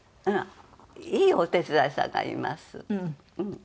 はい。